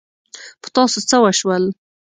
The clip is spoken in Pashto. په تاسو څه وشول؟